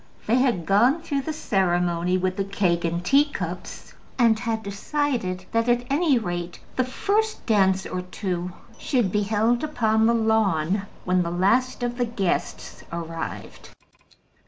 They had gone through the ceremony with the cake and teacups, and had decided that, at any rate, the first dance or two should be held upon the lawn when the last of the guests arrived.